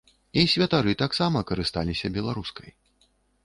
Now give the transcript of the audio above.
І святары таксама карысталіся беларускай.